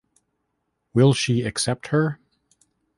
Will she accept her?